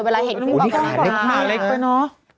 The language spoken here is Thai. เวลาเห็นพี่บอกว่าขาเล็กไปเนอะ